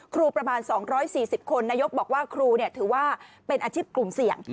ประมาณ๒๔๐คนนายกบอกว่าครูถือว่าเป็นอาชีพกลุ่มเสี่ยง